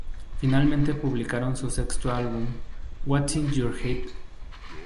Finalmente publicaron su sexto álbum, "What's In Your Head?